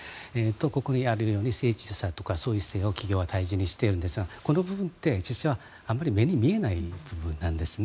ここにあるように誠実さとか創意性を企業は大事にしているんですがこの部分ってあんまり目に見えない部分なんですね。